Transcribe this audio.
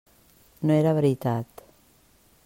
No era veritat.